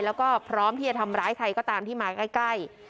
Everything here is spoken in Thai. แล้วก็พร้อมที่จะทำร้ายใครก็ตามที่มาใกล้